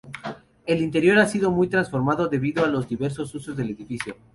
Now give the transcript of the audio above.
El interior ha sido muy transformado debido a los diversos usos del edificio.